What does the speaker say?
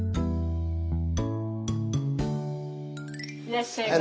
いらっしゃいませ。